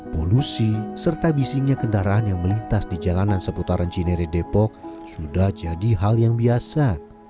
polusi serta bisingnya kendaraan yang melintas di jalanan seputaran cinere depok sudah jadi hal yang biasa